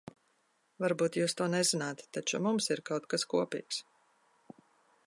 Varbūt jūs to nezināt, taču mums ir kaut kas kopīgs.